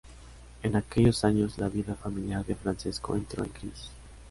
En aquellos años, la vida familiar de Francesco entró en crisis.